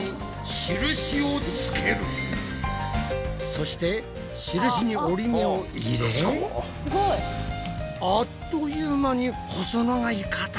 そして印に折り目を入れあっという間に細長い形に！